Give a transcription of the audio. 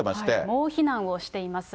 もう非難をしています。